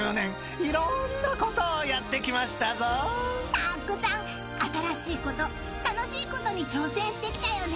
［たくさん新しいこと楽しいことに挑戦してきたよね］